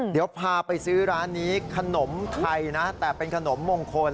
เดี๋ยวพาไปซื้อร้านนี้ขนมไทยนะแต่เป็นขนมมงคล